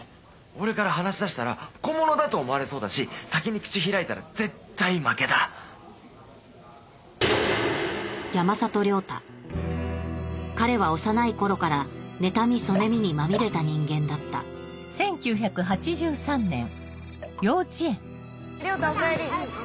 俺から話し出したら小物だと思われそうだし先に口開いたら絶対負けだ山里亮太彼は幼い頃から妬み嫉みにまみれた人間だった亮太おかえり。